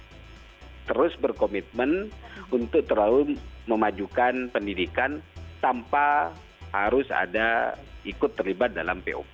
kita terus berkomitmen untuk terlalu memajukan pendidikan tanpa harus ada ikut terlibat dalam pop